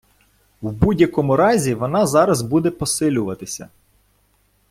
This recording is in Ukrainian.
В будь-якому разі вона зараз буде посилюватися.